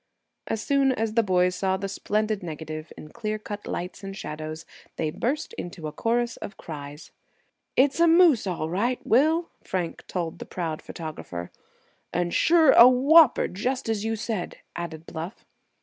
As soon as the boys saw the splendid negative, in clear cut lights and shadows, they burst into a chorus of cries. "It's a moose, all right, Will!" Frank told the proud photographer. "And sure a whopper, just as you said!" added Bluff.